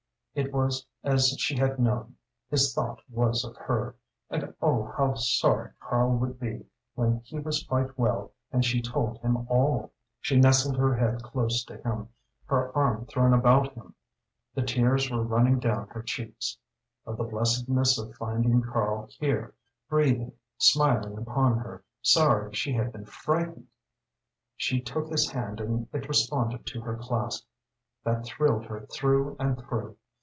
It was as she had known! His thought was of her. And oh how sorry Karl would be when he was quite well and she told him all! She nestled her head close to him, her arm thrown about him. The tears were running down her cheeks. Of the blessedness of finding Karl here breathing, smiling upon her, sorry she had been frightened! She took his hand and it responded to her clasp. That thrilled her through and through.